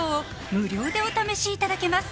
無料でお試しいただけます